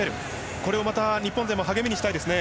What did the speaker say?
これをまた、日本勢も励みにしたいですね。